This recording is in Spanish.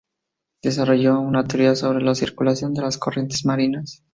Desarrolló una teoría sobre la circulación de las corrientes marinas.